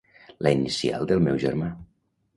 La inicial del meu germà.